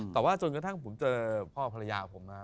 แต่ว่าจนกระทั่งผมเจอพ่อภรรยาของผมมา